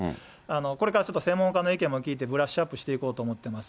これからちょっと専門家の意見も聞いてブラッシュアップしていこうと思ってます。